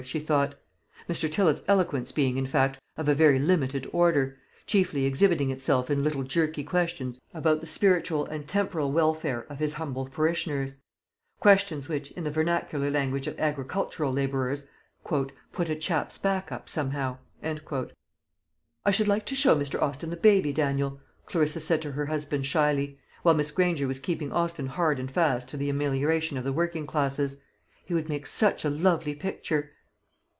she thought; Mr. Tillott's eloquence being, in fact, of a very limited order, chiefly exhibiting itself in little jerky questions about the spiritual and temporal welfare of his humble parishioners questions which, in the vernacular language of agricultural labourers, "put a chap's back up, somehow." "I should like to show Mr. Austin the baby, Daniel," Clarissa said to her husband shyly, while Miss Granger was keeping Austin hard and fast to the amelioration of the working classes; "he would make such a lovely picture."